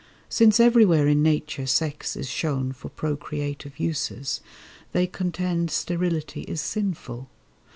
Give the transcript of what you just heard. Since everywhere in Nature sex is shown For procreative uses, they contend Sterility is sinful.